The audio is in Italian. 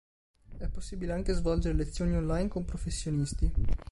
È possibile anche svolgere lezioni online con professionisti.